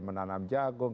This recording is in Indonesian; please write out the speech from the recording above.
dia menanam jagung